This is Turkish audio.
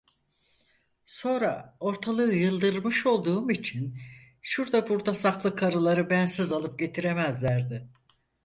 Sonra ortalığı yıldırmış olduğum için, şurda burda saklı karıları bensiz alıp getiremezlerdi.